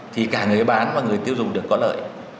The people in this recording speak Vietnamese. thì càng người bán và người tiêu dùng được có lợi